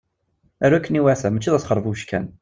Aru akken iwata mačči d asxerbubec kan!